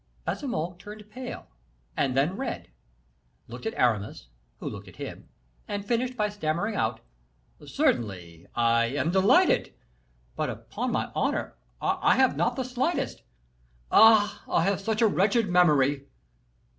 Baisemeaux turned pale and then red, looked at Aramis, who looked at him, and finished by stammering out, "Certainly I am delighted but, upon my honor I have not the slightest Ah! I have such a wretched memory."